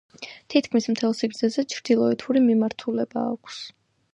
თითქმის მთელ სიგრძეზე ჩრდილოეთური მიმართულება აქვს.